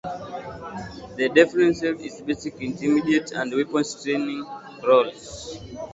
The Delfin served in basic, intermediate and weapons training roles.